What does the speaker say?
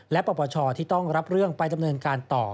และปปชที่ต้องรับเรื่องไปดำเนินการต่อ